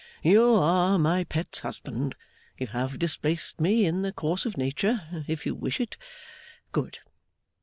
You are my Pet's husband; you have displaced me, in the course of nature; if you wish it, good!